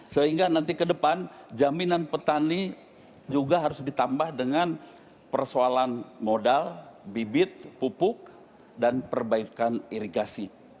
sehingga nanti ke depan jaminan petani juga harus ditambah dengan persoalan modal bibit pupuk dan perbaikan irigasi